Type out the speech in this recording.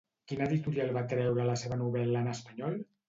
Quina editorial va treure la seva novel·la en espanyol?